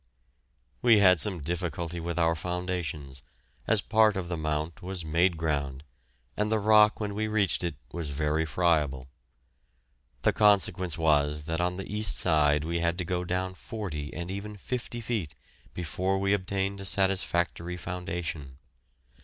We had some difficulty with our foundations, as part of the Mount was made ground, and the rock when we reached it was very friable. The consequence was that on the east side we had to go down forty, and even fifty feet before we obtained a satisfactory foundation.